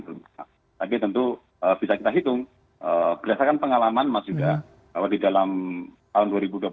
tapi tentu bisa kita hitung berdasarkan pengalaman mas yuda bahwa di dalam tahun dua ribu dua puluh satu